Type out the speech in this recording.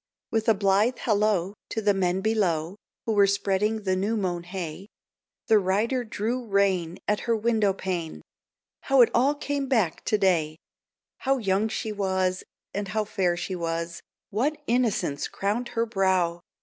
With a blithe "Hello" to the men below Who were spreading the new mown hay, The rider drew rein at her window pane How it all came back to day! How young she was, and how fair she was; What innocence crowned her brow!